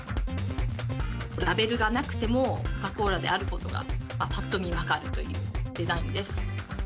ラベルがなくてもコカ・コーラであることが、ぱっと見分かるというデザインです。